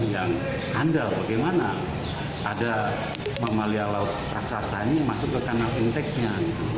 yang handal bagaimana ada mamalia laut raksasa ini masuk ke kanal fintechnya